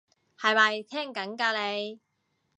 係咪聽緊㗎你？